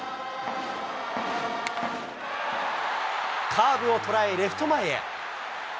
カーブを捉え、レフト前へ。